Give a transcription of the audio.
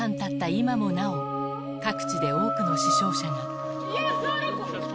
今もなお、各地で多くの死傷者が。